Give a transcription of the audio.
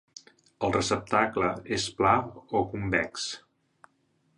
El receptacle és pla o convex.